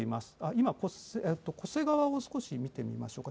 今、巨瀬川を少し見てみましょうか。